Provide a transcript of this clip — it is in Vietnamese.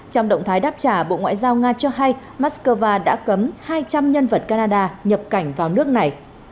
trong động thái đáp trả bộ ngoại giao nga cho hay moscow đã cấm hai trăm linh nhân vật canada nhập cảnh vào nước này